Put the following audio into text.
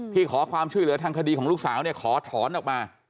ขอความช่วยเหลือทางคดีของลูกสาวขอถอนออกมา